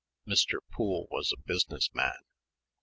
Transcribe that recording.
Mr. Poole was a business man